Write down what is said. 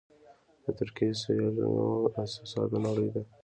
د ترکیې سریالونه د احساسونو نړۍ ده.